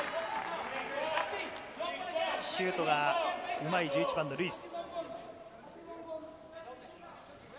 シュートが上手い１１番のルイス。